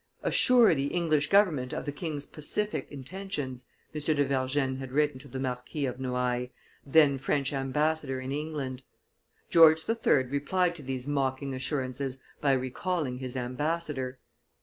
"Assure the English government of the king's pacific intentions," M. de Vergennes had written to the Marquis of Noailles, then French ambassador in England. George III. replied to these mocking assurances by recalling his ambassador.